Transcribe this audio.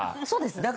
そうです。